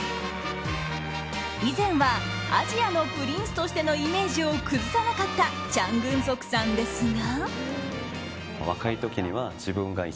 以前はアジアのプリンスとしてのイメージを崩さなかったチャン・グンソクさんですが。